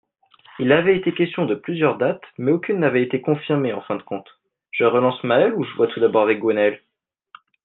Il avait été question de plusieurs dates mais aucune n'avait été confirmée en fin de compte, je relance Mael ou je vois tout d'abord avec Gwennael ?